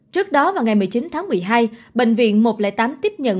trước đó vào ngày một mươi chín tháng một mươi hai bệnh viện một trăm linh tám tiếp nhận